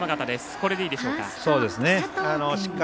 これで、いいでしょうか？